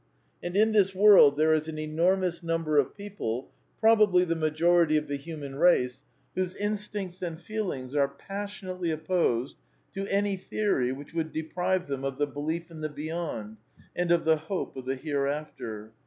And in this world there is an enormous number of people (probably the majority of the human race) whose instincts and feelings are pas sionately opposed to any theory which would deprive them of the Belief in the Beyond and of the Hope of the Hereafter.